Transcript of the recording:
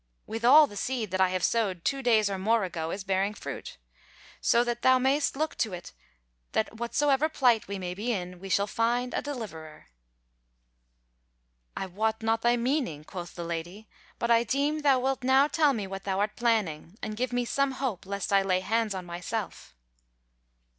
Withal the seed that I have sowed two days or more ago is bearing fruit; so that thou mayst look to it that whatsoever plight we may be in, we shall find a deliverer." "I wot not thy meaning," quoth the Lady, "but I deem thou wilt now tell me what thou art planning, and give me some hope, lest I lay hands on myself."